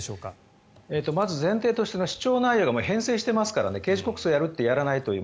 まず前提として主張内容が変遷してますから刑事告訴やると言ってやらないという。